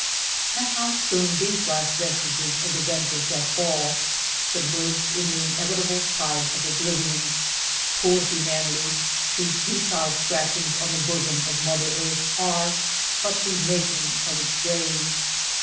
And how soon these last vestiges of the Venta shall fall, submerged in the inevitable tide of oblivion ! Poor humanity, whose futile scratchings on the bosom of Mother Earth are but the mak ing of its grave.